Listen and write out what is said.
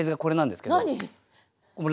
何？